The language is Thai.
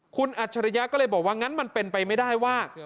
คุณอัจฉริยะก็เลยบอกว่างั้นมันเป็นไปไม่ได้ว่า